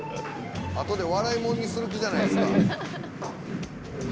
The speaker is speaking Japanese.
あとで笑いもんにする気じゃないすか。